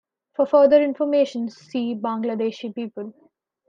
For further information, see Bangladeshi people.